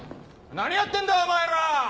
何やってんだお前ら！